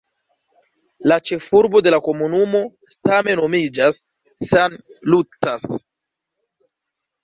La ĉefurbo de la komunumo same nomiĝas "San Lucas".